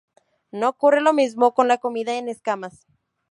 No ocurre lo mismo con la comida en escamas.